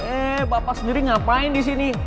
eh bapak sendiri ngapain di sini